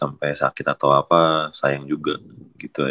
sampai sakit atau apa sayang juga gitu aja